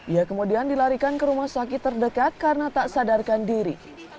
ia kemudian dilarikan ke rumah sakit terdekat karena tak sadarkan diri